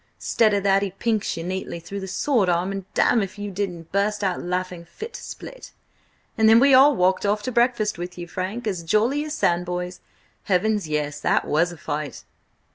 'Stead of that he pinks you neatly through the sword arm, and damme if you didn't burst out laughing fit to split! And then we all walked off to breakfast with you, Frank, as jolly as sandboys. Heavens, yes That was a fight!"